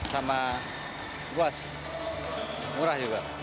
sama luas murah juga